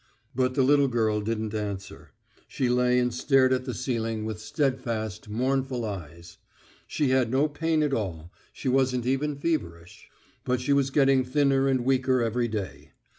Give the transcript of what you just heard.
But the little girl didn't answer, she lay and stared at the ceiling with steadfast, mournful eyes. She had no pain at all, she wasn't even feverish. But she was getting thinner and weaker every day.